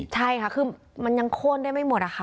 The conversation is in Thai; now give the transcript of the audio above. ใช่ค่ะคือมันยังโค้นได้ไม่หมดอะค่ะ